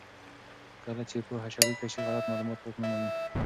کله چې پوهه شریکه شي، غلط معلومات واک نه مومي.